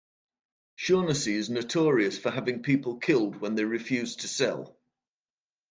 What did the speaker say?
Shaughnessy is notorious for having people killed when they refuse to sell.